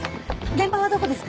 現場はどこですか？